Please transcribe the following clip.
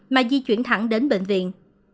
mà di chuyển thẳng đến bệnh viện